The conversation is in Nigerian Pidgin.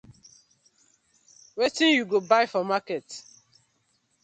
Wetin yu go bai for market.